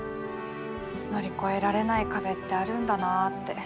乗り越えられない壁ってあるんだなって。